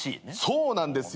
そうなんですよ。